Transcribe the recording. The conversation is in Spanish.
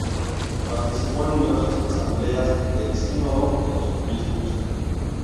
Participó en numerosas asambleas del Sínodo de los Obispos.